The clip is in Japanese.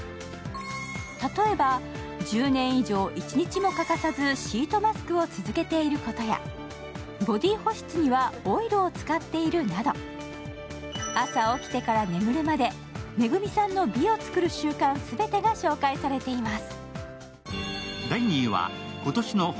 例えば、１０年以上一日も欠かさずシートマスクを続けていることやボディー保湿にはオイルを使っているなど、朝起きてから眠るまでＭＥＧＵＭＩさんんの美を作る習慣全てが紹介されています。